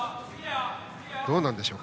どうなんでしょう？